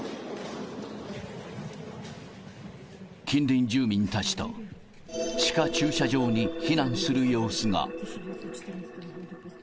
近隣住民たちと地下駐車場に避難する様子が。